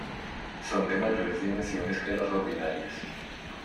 Son de mayores dimensiones que las ordinarias.